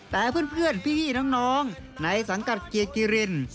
แต่เพื่อนพี่น้องในสังกัดเกียร์กิริน